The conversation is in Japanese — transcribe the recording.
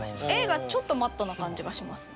Ａはちょっとマットな感じがします。